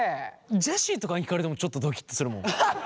ジェシーとかに聞かれてもちょっとドキッとするもん。